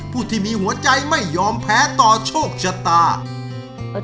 ผู้ที่มีหัวใจไม่ยอมแพ้ต่อโชคชะตา